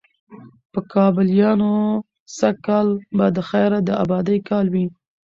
په کابليانو سږ کال به د خیره د آبادۍ کال وي،